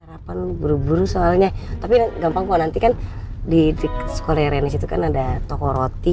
harapan buru buru soalnya tapi gampang kok nanti kan di sekolah reina situ kan ada toko roti